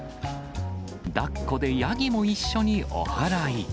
だっこでヤギも一緒にお払い。